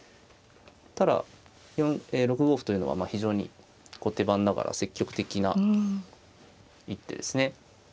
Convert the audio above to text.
ただ６五歩というのは非常に後手番ながら積極的な一手ですね。